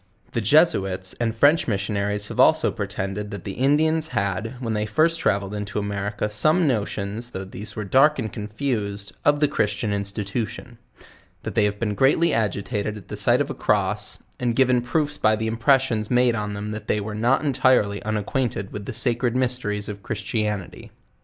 The Jesuits and French Missionaries have also pretended, that the Indians had, when they first travelled into America, some notions, though these were dark and confused, of the Christian institution; that they have been greatly agitated at the sight of a crosp, and given proofs by the impressions made on them that they were not entirely unacquainted with tlie sacred mysteries of Christianity.